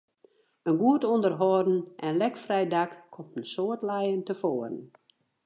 In goed ûnderholden en lekfrij dak komt in soad lijen tefoaren.